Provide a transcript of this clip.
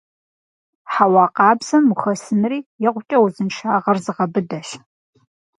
Хьэуа къабзэм ухэсынри икъукӀэ узыншагъэр зыгъэбыдэщ.